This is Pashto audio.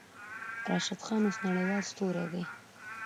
راشد خان اوس نړۍوال ستوری دی.